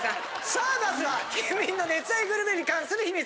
さあまずは県民の熱愛グルメに関する秘密。